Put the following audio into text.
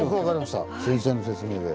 先生の説明で。